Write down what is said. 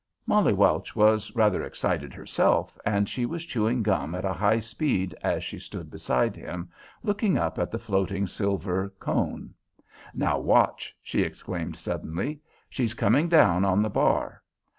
Molly Welch was rather excited herself, and she was chewing gum at a high speed as she stood beside him, looking up at the floating silver cone. "Now watch," she exclaimed suddenly. "She's coming down on the bar.